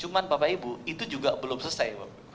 cuma bapak ibu itu juga belum selesai